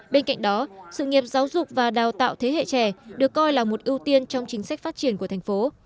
bên cạnh đó sự nghiệp giáo dục và đào tạo thế hệ trẻ được coi là một ưu tiên trong chính sách phát triển của thành phố